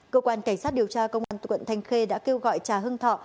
cơ quan cảnh sát điều tra công an quận thanh khê đã kêu gọi trà hưng thọ